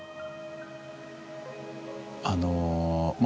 あのまあ